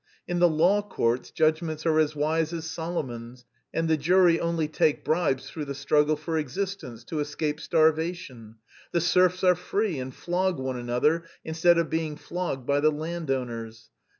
In the law courts judgments are as wise as Solomon's, and the jury only take bribes through the struggle for existence, to escape starvation. The serfs are free, and flog one another instead of being flogged by the land owners.